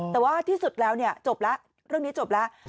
แต่ว่าที่สุดแล้วเนี่ยจบแล้วเรื่องนี้จบแล้ว